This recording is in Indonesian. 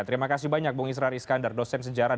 terima kasih banyak bung israr iskandar dosen sejarah